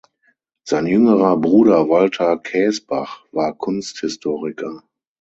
Sein jüngerer Bruder Walter Kaesbach war Kunsthistoriker.